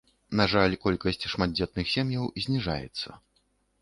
На жаль, колькасць шматдзетных сем'яў зніжаецца.